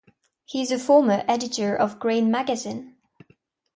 He is a former editor of "Grain" magazine.